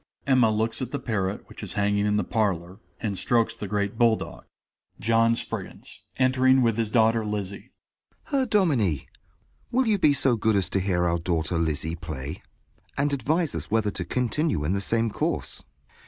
(Emma looks at the parrot which is hanging in the parlor, and strokes the great bull dog.) JOHN SPRIGGINS (entering with his daughter Lizzie). Herr Dominie, will you be so good as to hear our daughter Lizzie play, and advise us whether to continue in the same course.